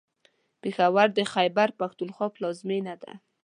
پېښور د خیبر پښتونخوا پلازمېنه ده.